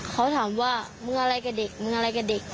เขาถามว่ามึงอะไรกับเด็กมึงอะไรกับเด็ก